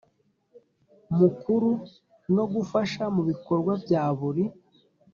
Mukuru no gufasha mu bikorwa bya buri